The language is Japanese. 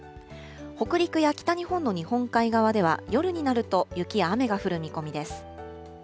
北陸や北日本の日本海側では、夜になると雪や雨が降る見込みです。